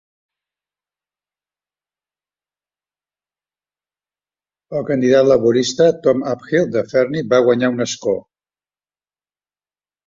El candidat laborista, Tom Uphill de Fernie, va guanyar un escó.